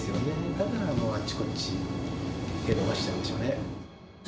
だからもうあちこち、手を伸ばしちゃうんでしょうね。